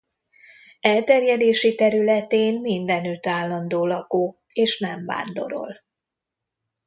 Elterjedési területén mindenütt állandó lakó és nem vándorol.